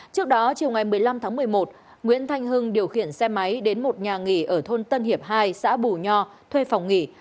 trước đó chiều ngày một mươi năm tháng một mươi một nguyễn thanh hưng điều khiển xe máy đến một nhà nghỉ ở thôn tân hiệp hai xã bù nho thuê phòng nghỉ